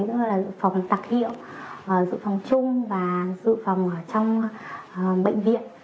dự phòng tặc hiệu dự phòng chung và dự phòng trong bệnh viện